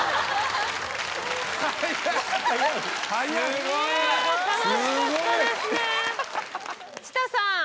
すごい。楽しかったですね。